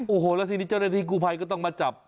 โอโหแล้วที่นี่วาดาธิกลูไพก็ต้องมาจับ